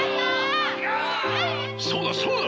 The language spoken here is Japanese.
そうだそうだ！